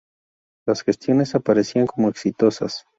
Las gestiones aparecían como exitosas.